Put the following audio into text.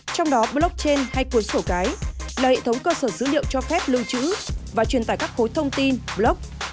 trong đó blockchain hay cuốn sổ cái là hệ thống cơ sở dữ liệu cho phép lưu trữ và truyền tải các khối thông tin blog